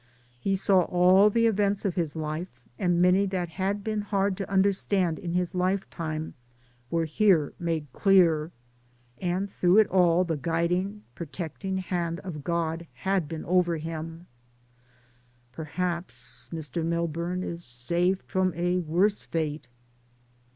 He saw all the events of his life, and many that had been hard to understand in his lifetime were here made clear, and through it all the guid ing, protecting hand of God had been over him/* Perhaps Mr. Milburn is saved from a worse fate.